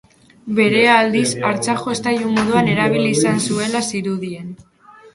Berea, aldiz, hartzakjostailu moduan erabili izan zuela zirudien.